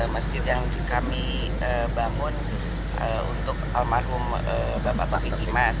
masjid yang kami bangun untuk almarhum bapak taufik imas